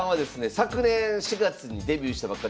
昨年４月にデビューしたばっかり。